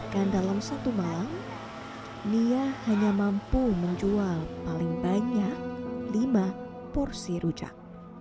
kan dalam satu malam liah hanya mampu menjual paling banyak lima porsi ujak